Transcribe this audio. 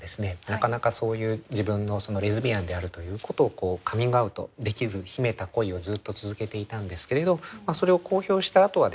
なかなかそういう自分のレズビアンであるということをカミングアウトできず秘めた恋をずっと続けていたんですけれどそれを公表したあとはですね